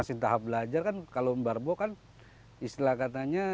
masih tahap belajar kan kalau mbarbo kan istilah katanya